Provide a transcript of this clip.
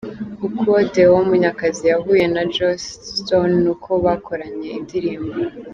Uko Deo Munyakazi yahuye na Joss Stone n'uko bakoranye indirimbo.